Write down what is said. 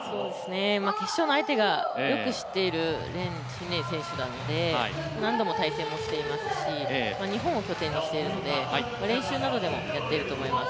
決勝の相手が、よく知っている連珍羚選手なので何度も対戦をしていますし日本を拠点にしているので練習などでもやっていると思います。